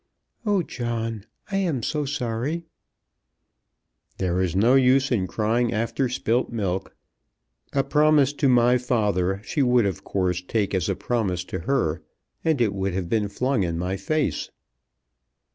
"Oh, John, I am so sorry." "There is no use in crying after spilt milk. A promise to my father she would of course take as a promise to her, and it would have been flung in my face."